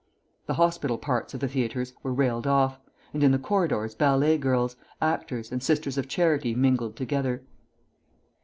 The hospital parts of the theatres were railed off, and in the corridors ballet girls, actors, and sisters of charity mingled together.